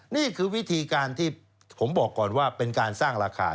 นี่คือวิธีการที่ผมบอกก่อนว่าเป็นการสร้างราคา